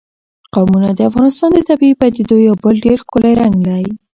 قومونه د افغانستان د طبیعي پدیدو یو بل ډېر ښکلی رنګ دی.